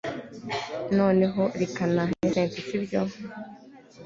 noneho reka ntahe cynti, sibyo!